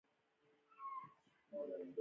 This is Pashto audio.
دوی دواړو پر مالیاتو د نظارت حق درلود.